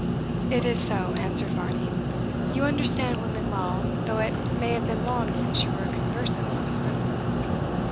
"It is so," answered Varney; "you understand women well, though it may have been long since you were conversant amongst them.